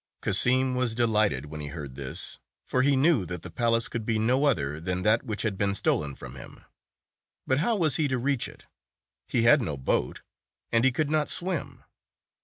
Cassim was delighted when he heard this, for he knew that the palace could be no other than that which had been stolen from him. But how was he to reach it? He had no boat, and he could not swim.